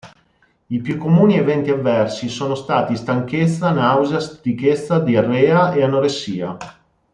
I più comuni eventi avversi sono stati stanchezza, nausea, stitichezza, diarrea e anoressia.